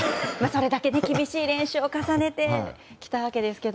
それだけ厳しい練習を重ねてきたわけですが。